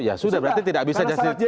ya sudah berarti tidak bisa jadi